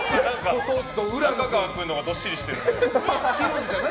中川君のほうがどっしりしてる。